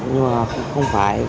nhưng mà không phải